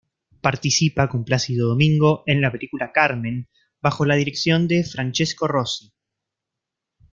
Participa con Placido Domingo en la película "Carmen" bajo la dirección de Francesco Rosi.